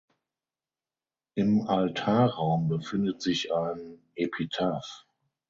Im Altarraum befindet sich ein Epitaph.